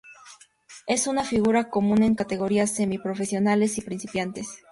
Es una figura común en categorías semiprofesionales y principiantes.